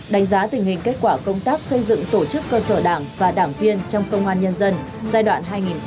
đánh giá tình hình kết quả công tác xây dựng tổ chức cơ sở đảng và đảng viên trong công an nhân dân giai đoạn hai nghìn một mươi sáu hai nghìn hai mươi